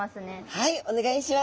はいお願いします。